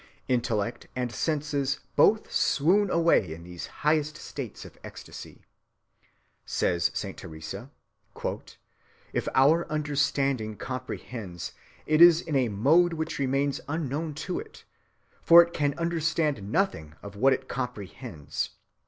Intellect and senses both swoon away in these highest states of ecstasy. "If our understanding comprehends," says Saint Teresa, "it is in a mode which remains unknown to it, and it can understand nothing of what it comprehends.